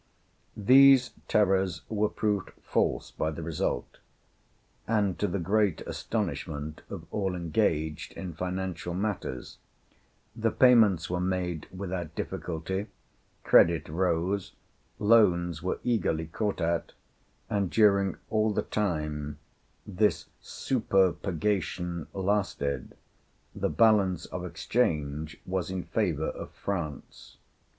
These terrors were proved false by the result; and to the great astonishment of all engaged in financial matters, the payments were made without difficulty, credit rose, loans were eagerly caught at, and during all the time this "superpurgation" lasted, the balance of exchange was in favor of France.